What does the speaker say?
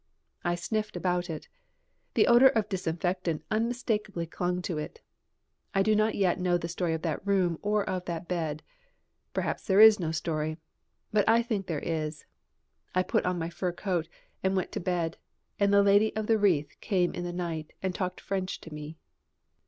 I sniffed about it; the odour of disinfectant unmistakably clung to it. I do not yet know the story of that room or of that bed. Perhaps there is no story. But I think there is. I put on my fur coat and went to bed, and the lady of the wreath came in the night and talked French to me.